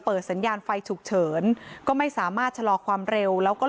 สัญญาณไฟฉุกเฉินก็ไม่สามารถชะลอความเร็วแล้วก็